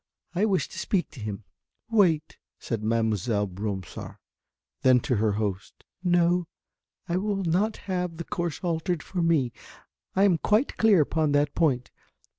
"I wish to speak to him." "Wait," said Mademoiselle Bromsart. Then to her host. "No. I will not have the course altered for me. I am quite clear upon that point.